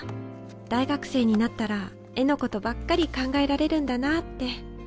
大学生になったら絵のことばっかり考えられるんだなって。